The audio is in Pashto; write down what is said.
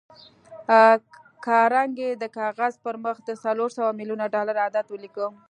کارنګي د کاغذ پر مخ د څلور سوه ميليونه ډالر عدد وليکه.